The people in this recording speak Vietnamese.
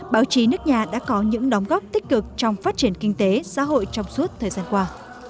báo chí nước nhà đã có những đóng góp tích cực trong phát triển kinh tế xã hội trong suốt thời gian qua